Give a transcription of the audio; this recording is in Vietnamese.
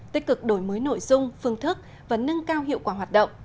tích cực đổi mới nội dung phương thức và nâng cao hiệu quả hoạt động